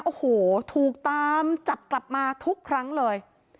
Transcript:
โอ้โหถูกตามจับกลับมาทุกครั้งเลย